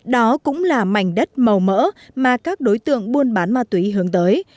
đó cũng là mảnh đất màu mỡ mà các đối tượng buôn bán ma túy hướng tới